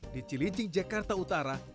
di cilincing jakarta utara